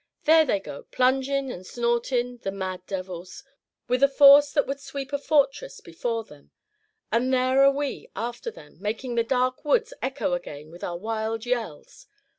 There they go, plungin' and snortin', the mad devils, with a force that would sweep a fortress before them; and here are we after them, makin' the dark woods echo again with our wild yells.